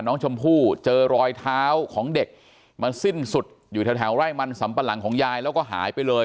น้องชมพู่เจอรอยเท้าของเด็กมันสิ้นสุดอยู่แถวไร่มันสำปะหลังของยายแล้วก็หายไปเลย